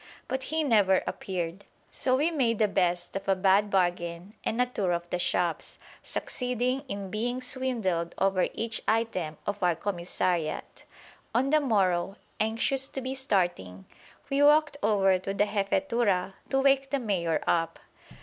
But he never appeared. So we made the best of a bad bargain and a tour of the shops, succeeding in being swindled over each item of our commissariat. On the morrow, anxious to be starting, we walked over to the Jefetura to wake the Mayor up.